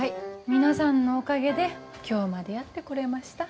皆さんのおかげで今日までやってこれました。